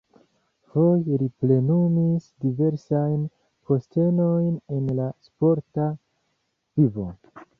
Foje li plenumis diversajn postenojn en la sporta vivo.